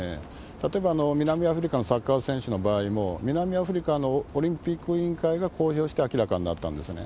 例えば南アフリカのサッカー選手の場合も、南アフリカのオリンピック委員会が公表して明らかになったんですね。